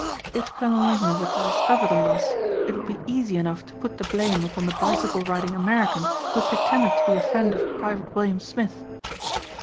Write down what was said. If Colonel Langley were to discover the loss it would be easy enough to put the blame upon the bicycle riding American who had pretended to be a friend of Private William Smith.